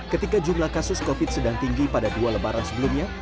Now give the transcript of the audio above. ketika jumlah kasus covid sedang tinggi pada dua lebaran sebelumnya